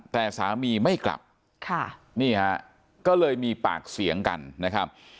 แต่สามีไม่กลับค่ะนี่ฮะก็เลยมีปากเสียงกันนะครับ